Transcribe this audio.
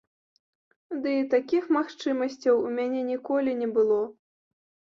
Ды і такіх магчымасцяў у мяне ніколі не было.